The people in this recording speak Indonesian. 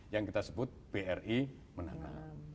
yang kita sebut bri menanam